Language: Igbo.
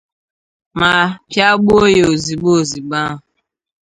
ma pịagbuo ya ozigbo ozigbo ahụ.